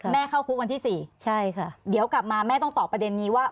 เข้าคุกวันที่๔ใช่ค่ะเดี๋ยวกลับมาแม่ต้องตอบประเด็นนี้ว่า